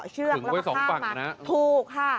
ถึงไว้สองปั่งนะถูกค่ะ